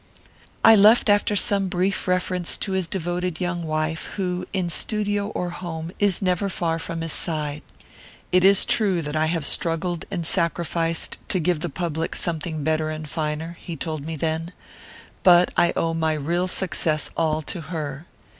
"I left after some brief reference to his devoted young wife, who, in studio or home, is never far from his side. "'It is true that I have struggled and sacrificed to give the public something better and finer,' he told me then; 'but I owe my real success all to her.